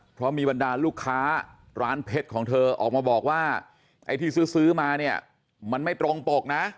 เพราะมีบรรดาลูกค้าร้านเพชรของเธอออกมาบอกว่าไอ้ที่ซื้อมาเนี่ยมันไม่ตรงปกนะ